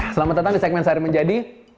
selamat datang di segmen sehari menjadi